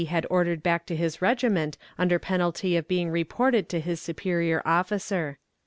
had ordered back to his regiment under penalty of being reported to his superior officer.